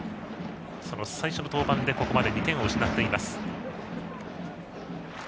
その最初の登板でここまで２点を失っています。